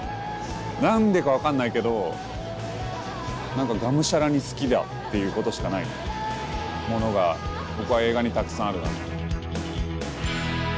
何でか分かんないけど何かがむしゃらに好きだっていうことしかないものが僕は映画にたくさんあるなと。